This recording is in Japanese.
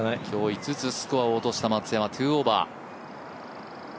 今日５つスコアを落とした松山、２オーバー。